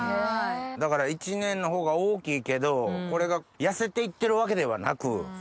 だから一年のほうが大きいけどこれが痩せて行ってるわけではなく。